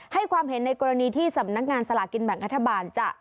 ให้ความเห็นในกรณีที่สำนักงาน